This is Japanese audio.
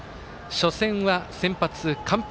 初戦は先発、完封。